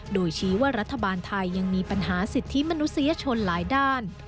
โดยชี้ว่ารัฐบาลไทยยังมีปัญหาสิทธิมนุษยชนหลายด้าน